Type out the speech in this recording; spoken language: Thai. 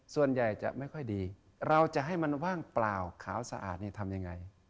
ส่วนใหญ่จะไม่ค่อยดีเราจะให้มันว่างเปล่าขาวสะอาดทำยังไง